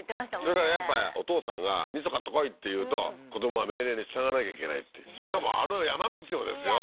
それからやっぱお父さんがみそ買ってこいって言うと子どもは命令に従わなきゃいけないってしかもあの山道をですよ